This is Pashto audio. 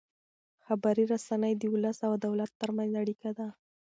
خبري رسنۍ د ولس او دولت ترمنځ اړیکه ده.